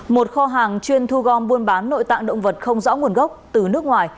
một kho hàng chuyên thu gom buôn bán nội tạng động vật không rõ nguồn gốc từ nước ngoài